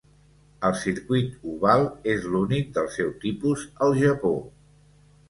El circuit oval és l'únic del seu tipus al Japó.